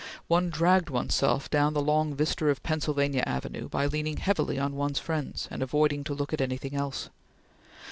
One dragged one's self down the long vista of Pennsylvania Avenue, by leaning heavily on one's friends, and avoiding to look at anything else.